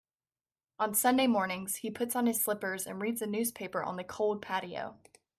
On Sunday mornings, he puts on his slippers and reads the newspaper on the cold patio.